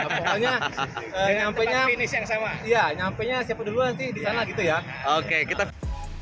pokoknya siapa duluan disana gitu ya